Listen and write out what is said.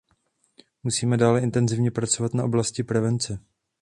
Musíme dále intenzivně pracovat na oblasti prevence.